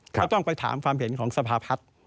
เขาต้องไปถามความเห็นของสภาพฮัศตร์